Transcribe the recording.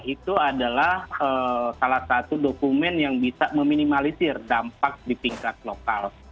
itu adalah salah satu dokumen yang bisa meminimalisir dampak di tingkat lokal